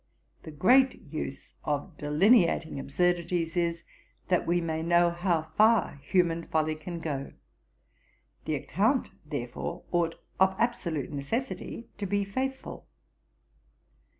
The great use of delineating absurdities is, that we may know how far human folly can go; the account, therefore, ought of absolute necessity to be faithful.